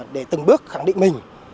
để từng bước khẳng định mình